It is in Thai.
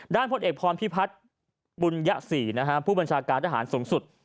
ด้านพจน์เอกพรพิพัฒน์ปุญญสี่ผู้บัญชาการทหารสูงสุด